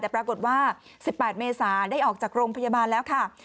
แต่ปรากฏว่า๑๘เมษาได้ออกจากโรงพยาบาลแล้วค่ะ